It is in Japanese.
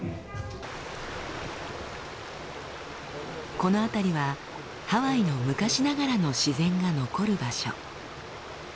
この辺りはハワイの昔ながらの自然が残る場所。